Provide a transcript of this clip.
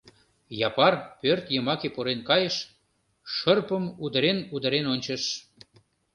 Япар пӧрт йымаке пурен кайыш, шырпым удырен-удырен ончыш.